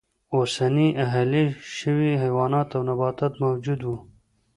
اوسني اهلي شوي حیوانات او نباتات موجود و.